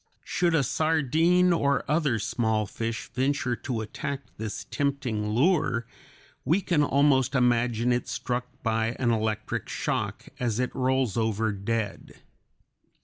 Should a sardine or other small fish venture to attack this tempting lure, we can almost imagine it struck by an electric shock, as it rolls over dead.